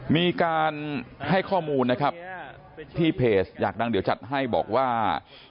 มีการให้ข้อมูลนะครับที่เพจอยากดังเดี๋ยวจัดให้บอกว่า